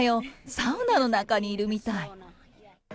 サウナの中に入るみたい。